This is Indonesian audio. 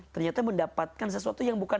ternyata mendapatkan sesuatu yang bukan